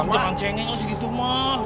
jangan cengeng masih gitu mah